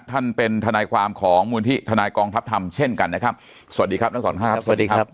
ท่านเป็นทนายความของมุมหนึ่งที่ทนายกองทัพธรรมเช่นกันนะครับสวัสดีครับนักศึกษาครับ